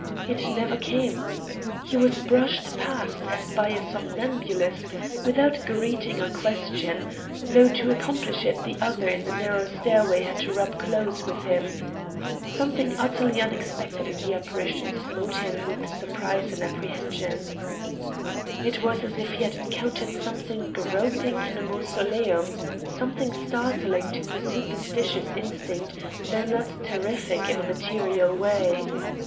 It never came. He was brushed past as by a somnambulist, without greeting or question, though to accomplish it the other in the narrow stairway had to rub clothes with him. Something utterly unexpected in the apparition smote him with surprise and apprehension. It was as if he had encountered something groping in a mausoleum something startling to the superstitious instinct, though not terrific in a material way.